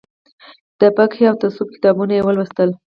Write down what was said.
د فقهي او تصوف کتابونه یې ولوستل.